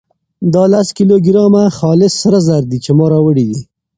دا لس کيلو ګرامه خالص سره زر دي چې ما راوړي دي.